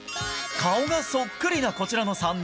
顔がそっくりな、こちらの３人。